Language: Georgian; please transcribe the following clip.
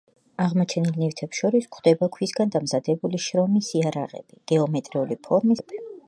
აღმოჩენილ ნივთებს შორის გვხვდება ქვისგან დამზადებული შრომის იარაღები, გეომეტრიული ფორმის პატარა ქვის ნამსხვრევები.